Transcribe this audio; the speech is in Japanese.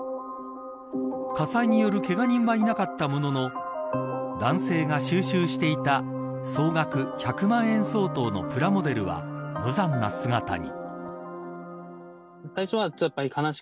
火災によるけが人はいなかったものの男性が収集していた総額１００万円相当のプラモデルは無残な姿に。